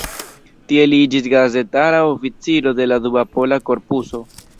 Tie li iĝis gazetara oficiro de la Dua Pola Korpuso.